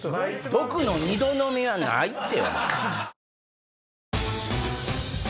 毒の２度飲みはないって。